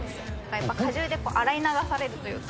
やっぱ果汁で洗い流されるというか。